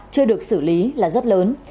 chưa được xử lý là rất lớn